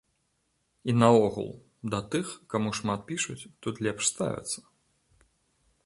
І наогул, да тых, каму шмат пішуць, тут лепш ставяцца.